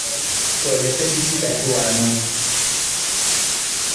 Twolesa ki kati wano?